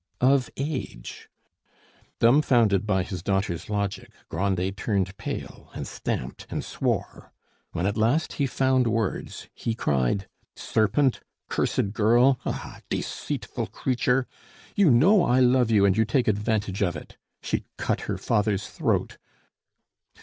"Of age." Dumbfounded by his daughter's logic, Grandet turned pale and stamped and swore. When at last he found words, he cried: "Serpent! Cursed girl! Ah, deceitful creature! You know I love you, and you take advantage of it. She'd cut her father's throat!